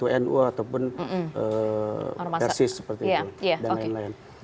tapi muhammadiyah itu nu ataupun basis seperti itu dan lain lain